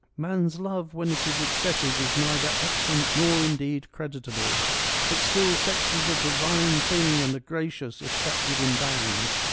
' Man's love when it is excessive is neither excellent nor, indeed, creditable. But still, sex is a divine thing and a gracious, if kept within bounds.